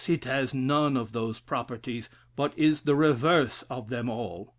it has none of those properties, but is the reverse of them all.